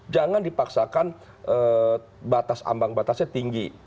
jangan dipaksakan batas ambang batasnya tinggi